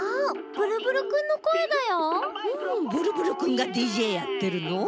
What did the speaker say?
ブルブルくんがＤＪやってるの？